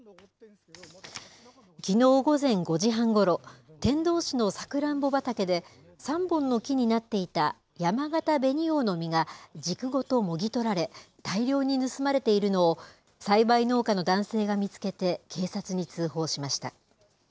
きのう午前５時半ごろ、天童市のサクランボ畑で、３本の木になっていたやまがた紅王の実が軸ごともぎ取られ、大量に盗まれているのを、栽培農家の男性が見つけて警察に通報しました。